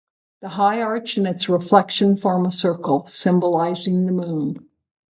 The high arch and its reflection form a circle, symbolizing the moon.